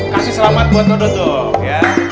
kasih selamat buat duduk ya